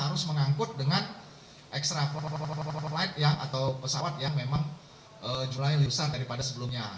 harus mengangkut dengan ekstra atau pesawat yang memang jumlahnya lebih besar daripada sebelumnya